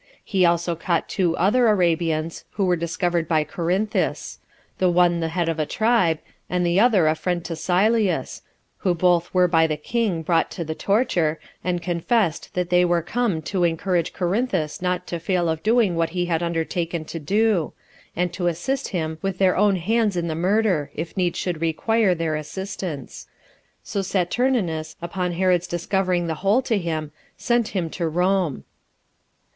He also caught two other Arabians, who were discovered by Corinthus; the one the head of a tribe, and the other a friend to Sylleus, who both were by the king brought to the torture, and confessed that they were come to encourage Corinthus not to fail of doing what he had undertaken to do; and to assist him with their own hands in the murder, if need should require their assistance. So Saturninus, upon Herod's discovering the whole to him, sent them to Rome.